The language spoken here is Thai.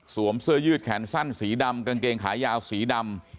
เสื้อยืดแขนสั้นสีดำกางเกงขายาวสีดำ